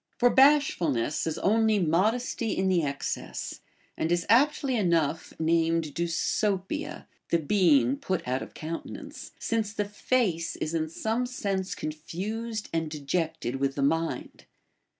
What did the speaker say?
For bashfulness is only modesty in the excess, and is aptly enough named δνσωττία {the being put out of countenance), since the face is in some sense confused and dejected with the mind.